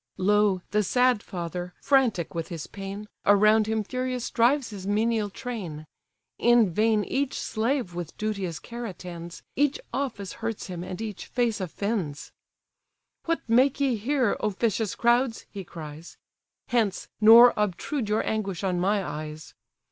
Lo! the sad father, frantic with his pain, Around him furious drives his menial train: In vain each slave with duteous care attends, Each office hurts him, and each face offends. "What make ye here, officious crowds! (he cries): Hence! nor obtrude your anguish on my eyes.